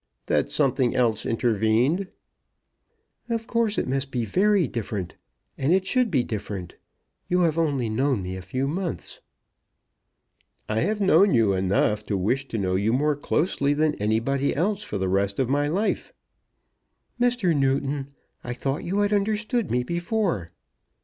"That something else intervened." "Of course it must be very different, and it should be different. You have only known me a few months." "I have known you enough to wish to know you more closely than anybody else for the rest of my life." "Mr. Newton, I thought you had understood me before."